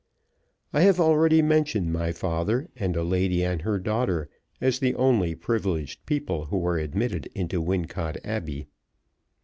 I have already mentioned my father, and a lady and her daughter, as the only privileged people who were admitted into Wincot Abbey.